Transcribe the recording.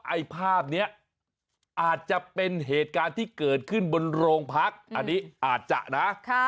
ไอ้ภาพนี้อาจจะเป็นเหตุการณ์ที่เกิดขึ้นบนโรงพักอันนี้อาจจะนะ